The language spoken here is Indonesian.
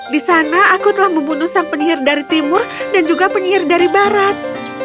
di sana aku telah membunuh sang penyihir dari timur dan juga penyihir dari barat